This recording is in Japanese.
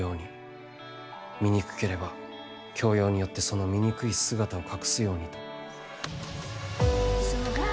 醜ければ教養によってその醜い姿を隠すように」と。